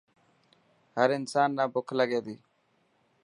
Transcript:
هر انسان نا بک لگي تي.